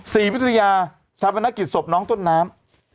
สี่วิทยายาซาบนกิลซ่อบน้องต้นน้ำ